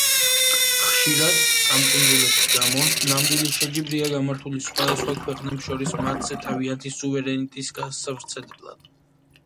ხშირად, ამ კუნძულების გამო, ნამდვილი შეჯიბრია გამართული სხვადასხვა ქვეყნებს შორის მათზე თავიანთი სუვერენიტეტის გასავრცელებლად.